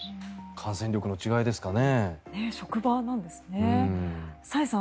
感染力の違いですかね。